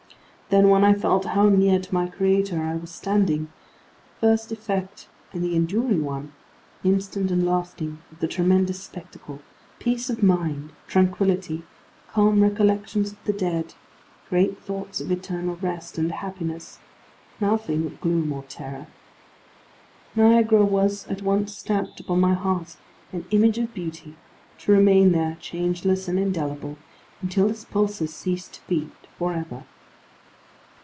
Then, when I felt how near to my Creator I was standing, the first effect, and the enduring one—instant and lasting—of the tremendous spectacle, was Peace. Peace of Mind, tranquillity, calm recollections of the Dead, great thoughts of Eternal Rest and Happiness: nothing of gloom or terror. Niagara was at once stamped upon my heart, an Image of Beauty; to remain there, changeless and indelible, until its pulses cease to beat, for ever.